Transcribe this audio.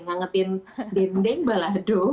ngangetin dendeng balado